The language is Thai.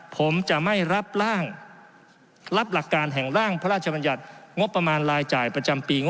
ผมจะไม่รับราการแห่งร่างพระราชบรรยัตน์งบประมาณรายจ่ายประจำปี๒๕๖๕